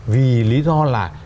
vì lý do là